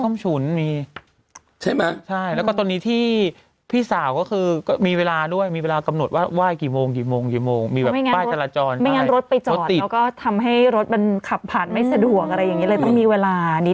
ฉุนมีใช่ไหมใช่แล้วก็ตอนนี้ที่พี่สาวก็คือก็มีเวลาด้วยมีเวลากำหนดว่าไหว้กี่โมงกี่โมงกี่โมงมีแบบป้ายจราจรไม่งั้นรถไปจอดแล้วก็ทำให้รถมันขับผ่านไม่สะดวกอะไรอย่างนี้เลยต้องมีเวลานี้